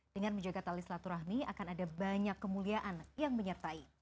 dengan menjaga tali selaturahmi akan ada banyak kemuliaan yang menyertai